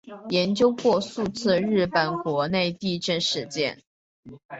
研究过数次日本国内地震事件。